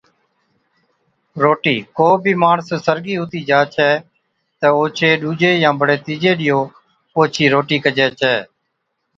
رٽِي، ڪو بِي ماڻس سرگِي ھُتِي جا ڇَي تہ اوڇي ڏُوجي يا بڙي تِيجي ڏِيئو اوڇِي روٽِي ڪجَي ڇَي